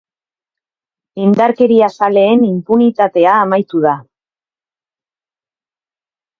Indarkeriazaleen inpunitatea amaitu da.